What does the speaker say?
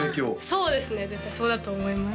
そうですね絶対そうだと思います